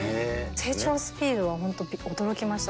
成長スピードは本当に驚きました。